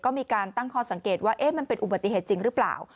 ก็มีการตั้งข้อสังเกตว่ามันเป็นอุบัติเหตุจริงหรือเปล่า